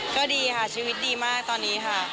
ก็ดีค่ะชีวิตดีมากตอนนี้ค่ะ